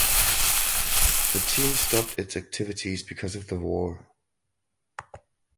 The team stopped its activities because of the war.